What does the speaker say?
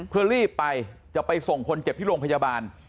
เพื่อรีบไปจะไปส่งคนเจ็บที่โรงพยาบาล